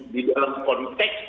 di dalam konteks